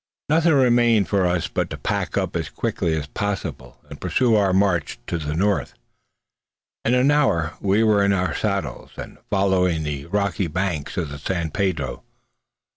Nothing remained for us now but to pack up as quickly as possible, and pursue our march to the north. In an hour we were in our saddles, and following the rocky banks of the San Pedro.